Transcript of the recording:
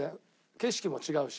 景色も違うし。